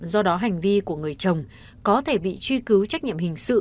do đó hành vi của người chồng có thể bị truy cứu trách nhiệm hình sự